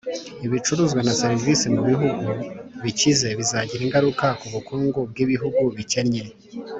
ibicuruzwa na za serivisi mu bihugu bikize bizagira ingaruka ku bukungu bw'ibihugu bikennye.